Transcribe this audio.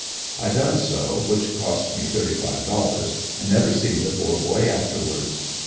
I done so, which cost me thirty five dollars, and never seen the poor boy afterwards.